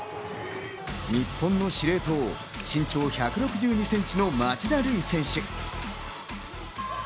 日本の司令塔、身長１６２ｃｍの町田瑠唯選手。